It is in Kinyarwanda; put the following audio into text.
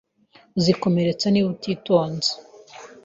Uzikomeretsa niba utitonze.